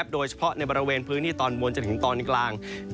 โดยเฉพาะในบริเวณพื้นที่ตอนบนจนถึงตอนกลาง